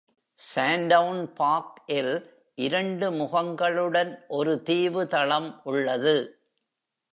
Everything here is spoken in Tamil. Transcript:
Sandown Park இல் இரண்டு முகங்களுடன் ஒரு தீவு தளம் உள்ளது.